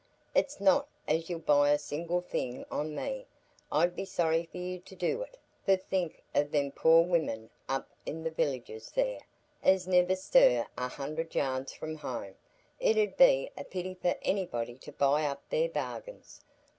"It's not as you'll buy a single thing on me,—I'd be sorry for you to do it,—for think o' them poor women up i' the villages there, as niver stir a hundred yards from home,—it 'ud be a pity for anybody to buy up their bargains.